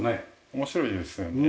面白いですよね。